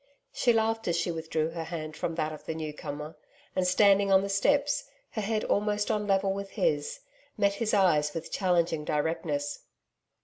She laughed as she withdrew her hand from that of the newcomer. And standing on the steps, her head almost on a level with his, met his eyes with challenging directness.